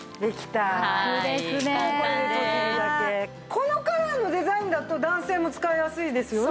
このカラーのデザインだと男性も使いやすいですよね。